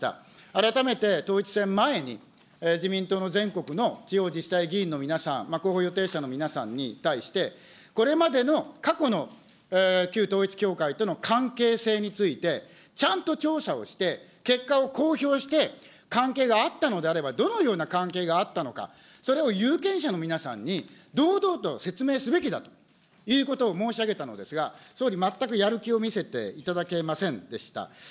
改めて統一選前に自民党の全国の地方自治体議員の皆さん、立候補予定者の皆さんに対して、これまでの過去の旧統一教会との関係性について、ちゃんと調査をして、結果を公表して、関係があったのであれば、どのような関係があったのか、それを有権者の皆さんに堂々と説明すべきだということを申し上げたのですが、総理、全くやる気を見せていただけませんでした。